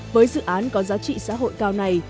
với dự án có giá trị xã hội cao này